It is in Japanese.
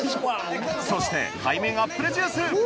そして背面アップルジュースフゥ！